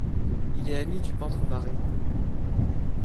Il est ami du peintre Marées.